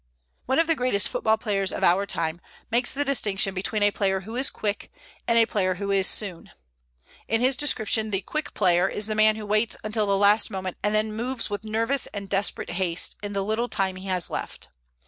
One of the greatest football players of our time makes the distinction between a player who is "quick" and a player who is "soon." In his description, the "quick" player is the man who waits until the last moment and then moves with nervous and desperate haste in the little time he has left.